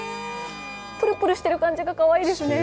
ぷるぷるしている感じがかわいいですね。